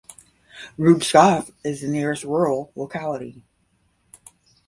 Rubtsovsk is the nearest rural locality.